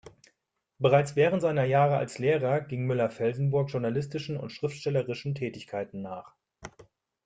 Bereits während seiner Jahre als Lehrer ging Müller-Felsenburg journalistischen und schriftstellerischen Tätigkeiten nach.